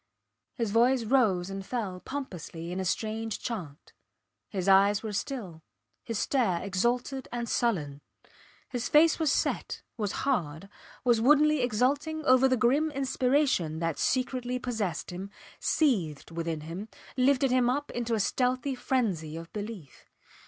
... His voice rose and fell pompously in a strange chant. His eyes were still, his stare exalted and sullen; his face was set, was hard, was woodenly exulting over the grim inspiration that secretly possessed him, seethed within him, lifted him up into a stealthy frenzy of belief.